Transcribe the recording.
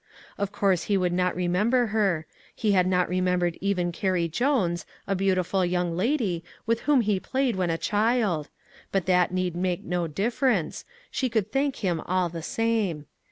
Of course he would not re member her; he had not remembered even Carrie Jones, a beautiful young lady, with whom he played when a child; but that need make no difference, she could thank him all the same.